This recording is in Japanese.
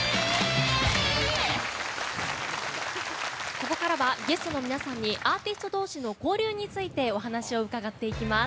ここからは、ゲストの皆さんにアーティスト同士の交流についてお話を伺っていきます。